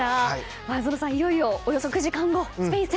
前園さん、いよいよおよそ９時間後、スペイン戦。